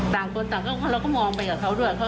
ต่างคนต่างเราก็มองไปกับเขาด้วย